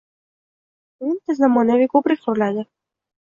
o'nta zamonaviy ko‘prik quriladi.